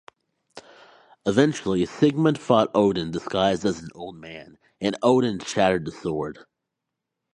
Eventually, Sigmund fought Odin disguised as an old man, and Odin shattered the sword.